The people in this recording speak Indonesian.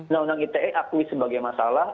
undang undang ite akui sebagai masalah